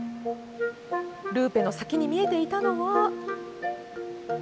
ルーペの先に見えていたのは。